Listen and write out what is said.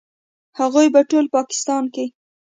هغوی په ټول پاکستان کې